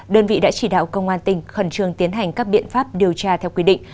đơn vị đã chỉ đạo công an tỉnh khẩn trương tiến hành các biện pháp điều tra theo quy định